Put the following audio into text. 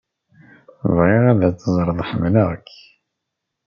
Bɣiɣ ad teẓreḍ ḥemmleɣ-k.